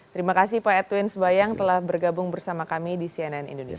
terima kasih pak edwin sebayang telah bergabung bersama kami di cnn indonesia